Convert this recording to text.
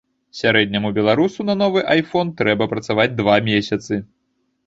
Сярэдняму беларусу на новы айфон трэба працаваць два месяцы.